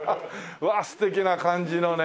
うわあ素敵な感じのね。